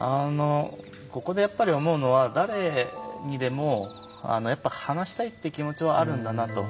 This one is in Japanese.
やっぱり思うのは誰にでも話したいという気持ちはあるんだなと。